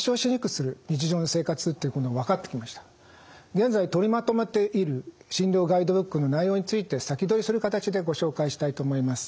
現在取りまとめている診療ガイドブックの内容について先取りする形でご紹介したいと思います。